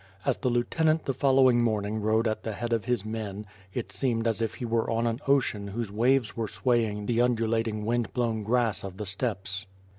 As the lieutenant the following morn ing rode at the head of his men, it seemed as if he were on an ocean whose waves were swaying the undulating wind blown grass of the steppes.